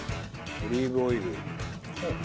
オリーブオイルに。